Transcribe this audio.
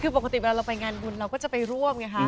คือปกติเวลาเราไปงานบุญเราก็จะไปร่วมไงคะ